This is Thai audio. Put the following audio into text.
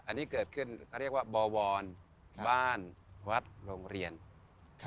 อันนี้เกิดขึ้นเขาเรียกว่าบวรบ้านวัดโรงเรียน